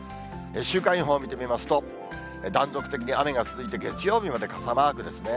週間予報を見てみますと、断続的に雨が続いて、月曜日まで傘マークですね。